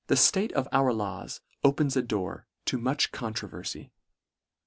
The ftate of our laws opens a door to muchcon troverfy.